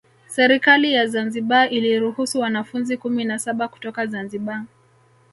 Serikali ya Zanzibar iliruhusu wanafunzi kumi na saba kutoka Zanzibar